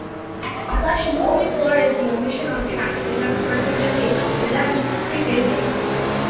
The collection's only flaw is the omission of tracks representing the band's pre-fame days.